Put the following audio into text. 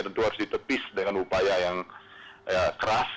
tentu harus ditepis dengan upaya yang keras